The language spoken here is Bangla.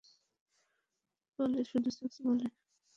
আমি শুধু সেক্স বলি।